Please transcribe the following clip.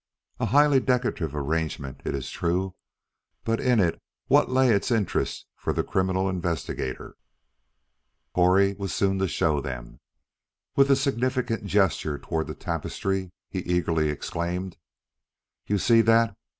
A highly decorative arrangement, it is true, but in what lay its interest for the criminal investigator? Correy was soon to show them. With a significant gesture toward the tapestry, he eagerly exclaimed: "You see that?